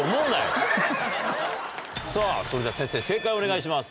さぁそれでは先生正解をお願いします。